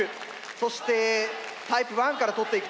そしてタイプ１から取っていく。